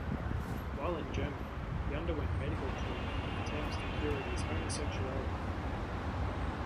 While in Germany, he underwent medical treatment in attempts to cure his homosexuality.